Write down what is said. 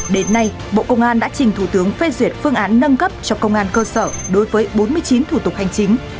đến nay bộ công an đã trình thủ tướng phê duyệt phương án nâng cấp cho công an cơ sở đối với bốn mươi chín thủ tục hành chính